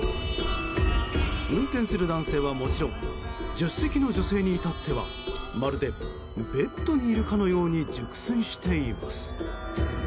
運転する男性はもちろん助手席の女性に至ってはまるでベッドにいるかのように熟睡しています。